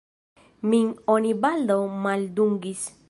Min oni baldaŭ maldungis.